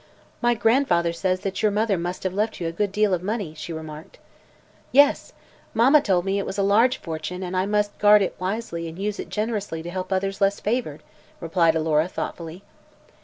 "My grandfather says that your mother must have left you a good deal of money," she remarked. "Yes; mamma told me it was a large fortune and that I must guard it wisely and use it generously to help others less favored," replied Alora thoughtfully.